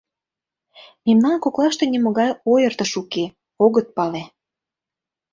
Мемнан коклаште нимогай ойыртыш уке, огыт пале...